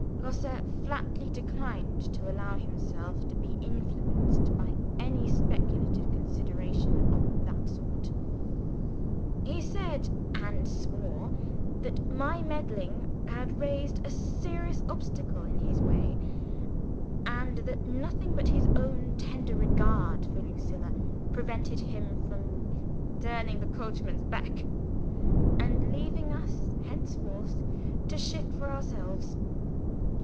Grosse flatly declined to allow himself to be influenced by any speculative consideration of that sort. He said (and swore) that my meddling had raised a serious obstacle in his way, and that nothing but his own tender regard for Lucilla prevented him from "turning the coachmans back," and leaving us henceforth to shift for ourselves.